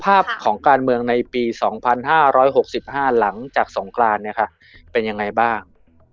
ภาพของการเมืองในปี๒๕๖๕หลังจากสงครานเป็นยังไงบ้าง